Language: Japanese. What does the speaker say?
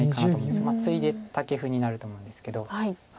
ツイでタケフになると思うんですけど。